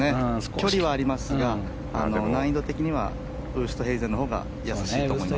距離はありますが難易度的にはウーストヘイゼンのほうが易しいと思います。